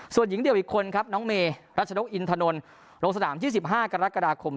ส่วนหญิงเดี่ยวอีกคนครับน้องเมรัชนกอินทนนท์ลงสนาม๒๕กรกฎาคม